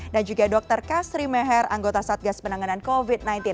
dan juga dr kasri meher anggota satgas penanganan covid sembilan belas